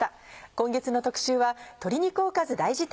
今月の特集は「鶏肉おかず大事典」。